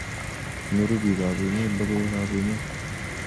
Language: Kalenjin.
nyoruu biikap emet logoiywekab emet